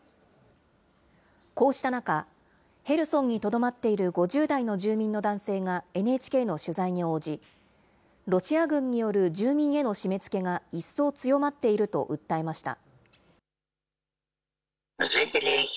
こうした中、ヘルソンにとどまっている５０代の住民の男性がＮＨＫの取材に応じ、ロシア軍による住民への締めつけが一層強まっていると訴えました。